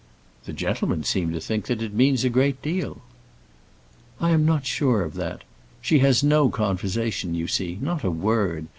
"The gentlemen seem to think that it means a good deal." "I am not sure of that. She has no conversation, you see; not a word.